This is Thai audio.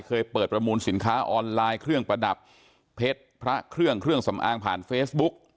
เคยเปิดประมูลสินค้าออนไลน์เครื่องประดับเพชรพระเครื่องเครื่องสำอางผ่านเฟซบุ๊ก